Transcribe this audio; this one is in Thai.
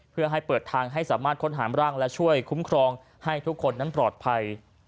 เพื่อให้เปิดทางให้สามารถค้นหามร่างและช่วยคุ้มครองให้ทุกคนนั้นปลอดภัย